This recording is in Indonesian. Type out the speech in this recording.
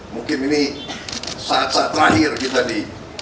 mungkin ini saat saat terakhir kita di